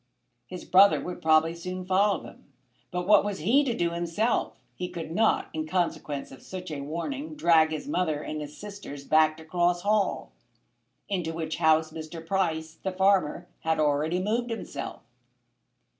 His brother would probably soon follow them. But what was he to do himself! He could not, in consequence of such a warning, drag his mother and sisters back to Cross Hall, into which house Mr. Price, the farmer, had already moved himself.